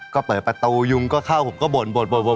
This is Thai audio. ก็เปิดประตูยุงก็เข้าผมก็บ่น